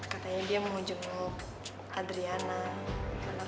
katanya dia mau jenguk adriana